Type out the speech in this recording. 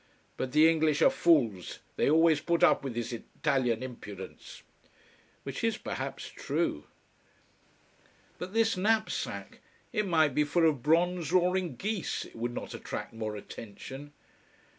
But the English are fools. They always put up with this Italian impudence." Which is perhaps true. But this knapsack! It might be full of bronze roaring geese, it would not attract more attention!